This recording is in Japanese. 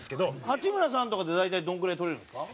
八村さんとかで大体どれぐらい取れるんですか？